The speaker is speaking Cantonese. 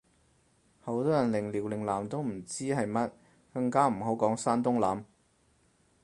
好多人連遼寧艦都唔知係乜，更加唔好講山東艦